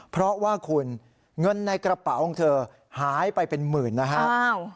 เพราะว่าคุณเงินในกระเป๋าของเธอหายไปเป็นหมื่นนะครับ